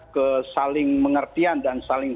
kesaling mengertian dan saling